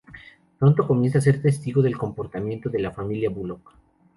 Pronto comienza a ser testigo del comportamiento de la familia Bullock.